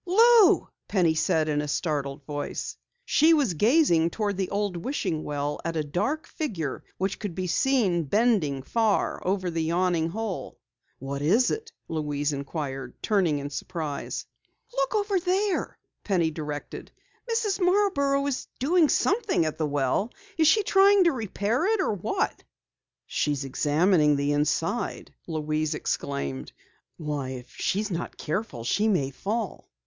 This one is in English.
"Lou!" Penny said in a startled voice. She was gazing toward the old wishing well at a dark figure which could be seen bending far over the yawning hole. "What is it?" Louise inquired, turning in surprise. "Look over there!" Penny directed. "Mrs. Marborough is doing something at the well. Is she trying to repair it or what?" "She's examining the inside!" Louise exclaimed. "Why, if she's not careful, she may fall.